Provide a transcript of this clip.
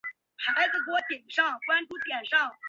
厚毛节肢蕨为水龙骨科节肢蕨属下的一个种。